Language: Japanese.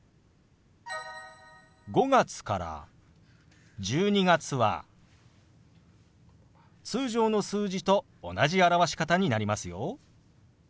５月から１２月は通常の数字と同じ表し方になりますよ。